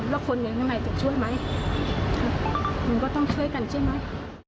แล้วคนอย่างข้างในจะช่วยไหมมันก็ต้องช่วยกันใช่ไหม